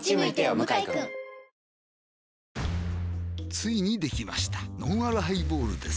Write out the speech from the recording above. ついにできましたのんあるハイボールです